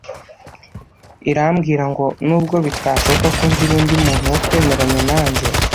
irambwira ngo nubwo bitashoboka ko ngira undi muntu wo kwemeranya nanjye,